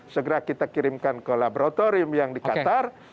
segera kita kirimkan ke laboratorium yang di qatar